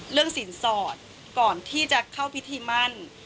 สินสอดก่อนที่จะเข้าพิธีมั่น